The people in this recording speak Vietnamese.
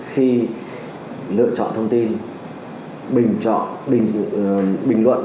khi lựa chọn thông tin bình luận